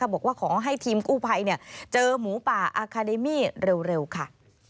บอกว่าขอให้ทีมกู้ภัยเจอหมูป่าอาคาเดมี่เร็วค่ะ